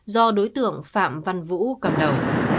do đối tượng phạm văn vũ cầm đầu